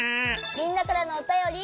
みんなからのおたより。